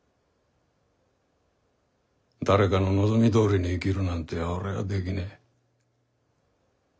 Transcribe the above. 誰かの望みどおりに生きるなんて俺はできねえ。